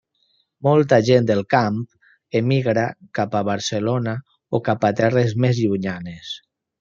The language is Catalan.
Molta gent del camp emigra cap a Barcelona o cap a terres més llunyanes.